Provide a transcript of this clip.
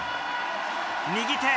右手